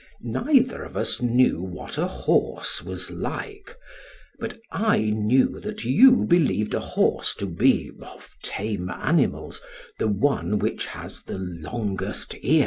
Neither of us knew what a horse was like, but I knew that you believed a horse to be of tame animals the one which has the longest ears.